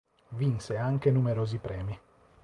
Vinse anche numerosi premi.